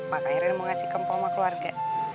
maka akhirnya mau ngasih ke mpok sama keluarga